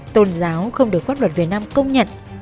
tôn giáo không được pháp luật việt nam công nhận